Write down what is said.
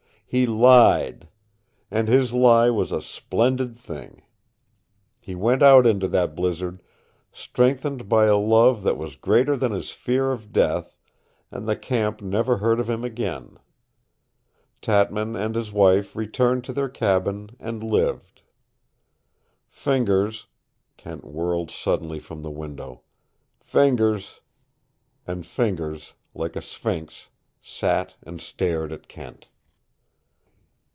He lied! And his lie was a splendid thing. He went out into that blizzard, strengthened by a love that was greater than his fear of death, and the camp never heard of him again. Tatman and his wife returned to their cabin and lived. Fingers " Kent whirled suddenly from the window. "Fingers " And Fingers, like a sphynx, sat and stared at Kent.